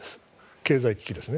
経済飢饉ですね。